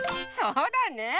そうだね。